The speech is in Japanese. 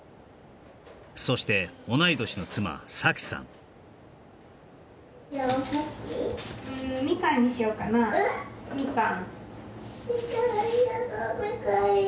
そして同い年の妻咲希さんうん？